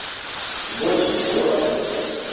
بۆچی تووڕەی؟